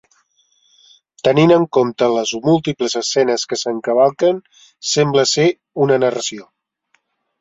Tenint en compte les múltiples escenes que s'encavalquen, sembla ser una narració.